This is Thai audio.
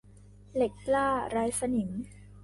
เหล็กกล้าไร้สนิม